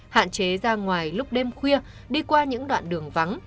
hạn chế ra ngoài lúc đêm khuya đi qua những đoạn đường vắng